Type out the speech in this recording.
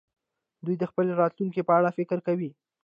دوی د خپلې راتلونکې په اړه فکر کوي.